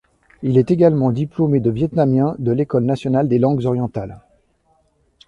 Il est également diplômé de vietnamien de l’École nationale des langues orientales.